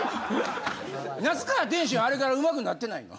那須川天心はあれから上手くなってないの？